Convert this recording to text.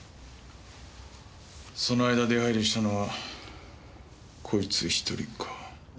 その間出入りしたのはこいつ１人か。